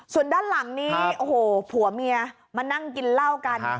ส่วนด้านหลังนี้โอ้โหผัวเมียมานั่งกินเหล้ากัน